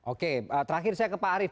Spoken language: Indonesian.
oke terakhir saya ke pak arief